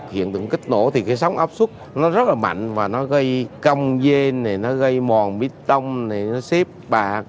hiện tượng kích nổ thì cái sóng ấp suất nó rất là mạnh và nó gây cong dên nó gây mòn bít tông nó xếp bạc